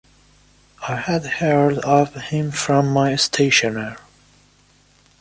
I had heard of him from my stationer.